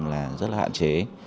là rất là hạn chế